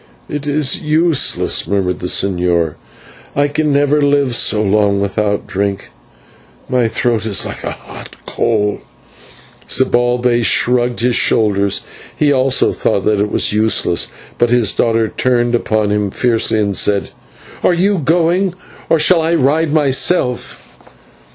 "It is useless," murmured the señor, "I can never live so long without drink, my throat is hot like a coal." Zibalbay shrugged his shoulders, he also thought that it was useless, but his daughter turned upon him fiercely and said: "Are you going, or shall I ride myself?"